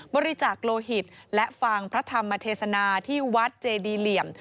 บริจาคโลหิตและฟังพระธรรมเทศนาที่วัดเจดีเหลี่ยม